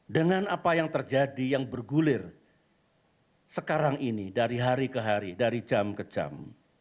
dengan apa yang terjadi yang bergulir sekarang ini dari hari ke hari dari jam ke jam